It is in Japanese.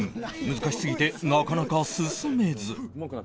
難しすぎてなかなか進めず